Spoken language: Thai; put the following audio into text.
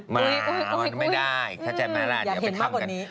ไม่ได้เข้าใจไม่ได้อยากจะเห็นมากกว่านี้